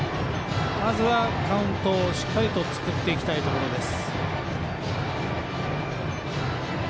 まずはカウントをしっかりと作っていきたいところです。